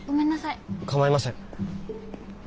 構いません。